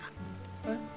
えっ？